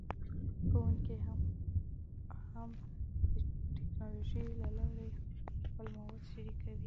ښوونکي هم د ټیکنالوژۍ له لارې خپل مواد شریکوي.